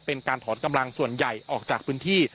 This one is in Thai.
เป็นการถอนกำลังส่วนใหญ่ออกจากพื้นที่